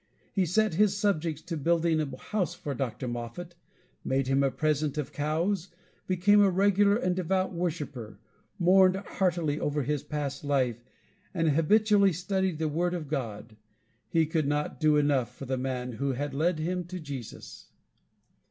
He set his subjects to building a house for Mr. Moffat, made him a present of cows, became a regular and devout worshiper, mourned heartily over his past life, and habitually studied the Word of God. He could not do enough for the man who had led him to Jesus.